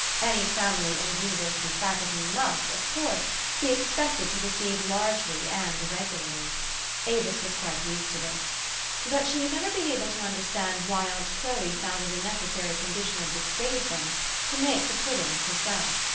Any family in a university Faculty must, of course, be expected to receive largely and irregularly. Avis was quite THE STORY OF AVIS. 255 used to this. But she had never been able to under stand why aunt Chloe found it a necessary condition of this state of things, to make the puddings herself.